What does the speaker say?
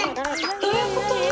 どういうこと？